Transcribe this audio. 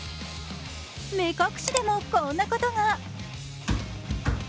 目隠しでも、こんなことが。